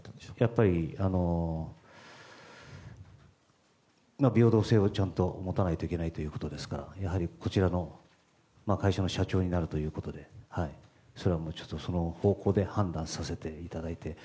やっぱり、平等性をちゃんと持たないといけないということですからやはり、こちらの会社の社長になるということでそれは、その方向で判断させていただいて。